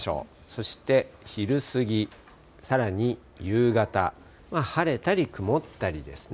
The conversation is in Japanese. そして昼過ぎ、さらに夕方、晴れたり曇ったりですね。